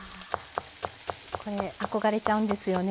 これ憧れちゃうんですよね。